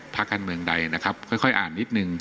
พักการเมืองใดนะครับค่อยอ่านนิดนึง